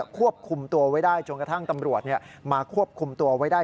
ควบคุมตัวไว้ได้จนกระทั่งตำรวจมาควบคุมตัวไว้ได้